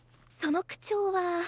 その口調は。